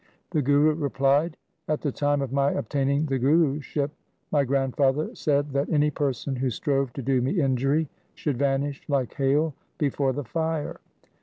The Guru replied, ' At the time of my obtaining the Guruship, my grandfather said that any person who strove to do me injury should vanish like hail before the fire.'